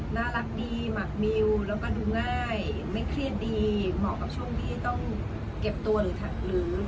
น่ารักดีหมักมิวแล้วก็ดูง่ายไม่เครียดดีเหมาะกับช่วงที่ต้องเก็บตัวหรือ